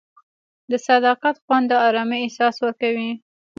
د صداقت خوند د ارامۍ احساس ورکوي.